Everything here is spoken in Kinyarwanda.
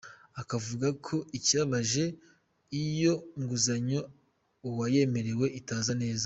Akavuga ko ikibabaje iyo nguzanyo uwayemerewe itaza neza.